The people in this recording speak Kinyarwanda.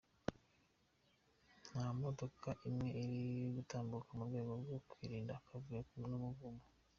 Nta modoka n’imwe iri gutambuka mu rwego rwo kwirinda akavuyo n’umuvundo.